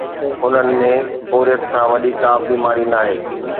انهن ۾ بوريت کان وڏي ڪا به بيماري ناهي.